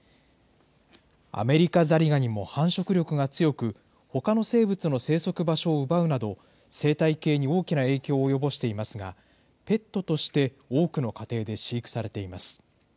アメリカザリガニも繁殖力が強く、ほかの生物の生息場所を奪うなど、生態系に大きな影響を及ぼしていますが、ペットとして多くの家庭で飼育されています。